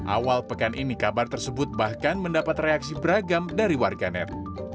awal pekan ini kabar tersebut bahkan mendapat reaksi beragam dari warganet